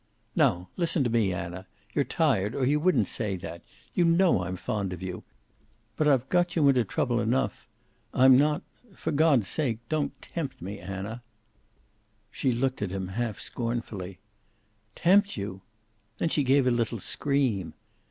"Now listen to me, Anna. You're tired, or you wouldn't say that. You know I'm fond of you. But I've got you into trouble enough. I'm not for God's sake don't tempt me, Anna." She looked at him half scornfully. "Tempt you!" Then she gave a little scream.